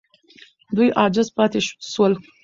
دوی عاجز پاتې سول.